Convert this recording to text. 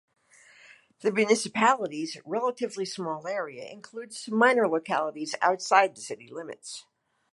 The municipality's relatively small area includes some minor localities outside the city limits.